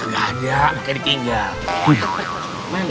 ya enggak ada makanya ditinggal